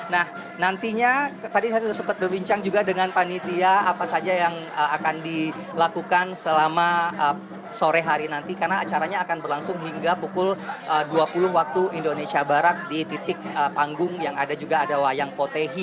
nah nantinya tadi saya sempat berbincang juga dengan panitia apa saja yang akan dilakukan selama sore hari nanti karena acaranya akan berlangsung hingga pukul dua puluh waktu indonesia barat di titik panggung yang ada juga ada wayang potehi